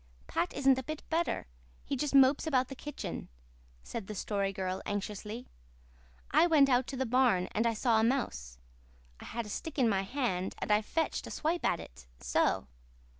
"Pat isn't a bit better. He just mopes about the kitchen," said the Story Girl anxiously. "I went out to the barn and I saw a mouse. I had a stick in my hand and I fetched a swipe at it so.